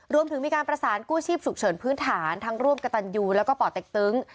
รวมถึงมีการประสานกู้ชีพฉุกเฉินพื้นฐานทั้งร่วมกระตันยูแล้วก็ป่อเต็กตึง